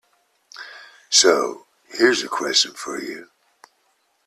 So here’s a question for you.